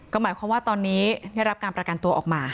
ก็หมายความว่าตอนนี้ได้รับการประกันตัวออกมา